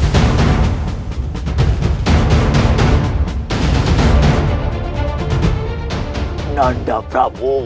terima kasih rana prabu